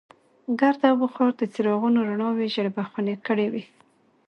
ګرد او غبار د څراغونو رڼاوې ژېړ بخونې کړې وې.